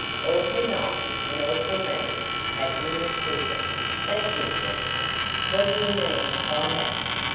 "Awful nice and awful mean," Katherine repeated. "That's interesting. What do you mean by that?"